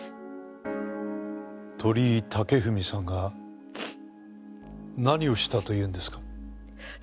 鳥居武文さんが何をしたというんですか？